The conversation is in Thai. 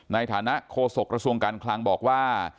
ในฐานะโฆษกระทรวงการคลังบอกว่า